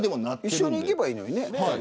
一緒に行けばいいのにね。